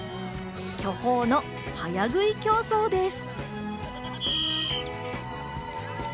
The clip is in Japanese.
巨峰の早食い競争です。